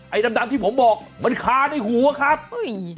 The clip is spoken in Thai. ไอ้ดำที่ผมบอกมันขาดในหูอะครับ